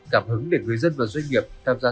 cảm hứng để người dân và doanh nghiệp tham gia